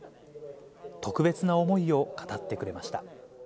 特別な思いを語ってくれました。